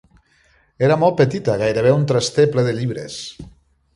Era molt petita, gairebé un traster ple de llibres.